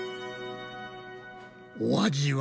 お味は？